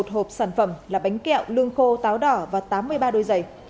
một trăm một mươi một hộp sản phẩm là bánh kẹo lương khô táo đỏ và tám mươi ba đôi giày